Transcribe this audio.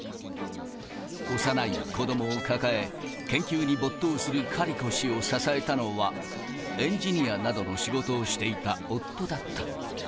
幼い子どもを抱え、研究に没頭するカリコ氏を支えたのは、エンジニアなどの仕事をしていた夫だった。